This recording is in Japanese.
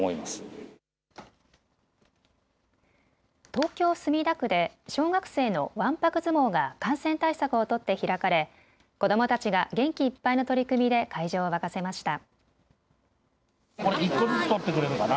東京墨田区で小学生のわんぱく相撲が感染対策を取って開かれ子どもたちが元気いっぱいの取組で会場を沸かせました。